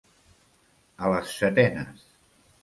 A les setenes.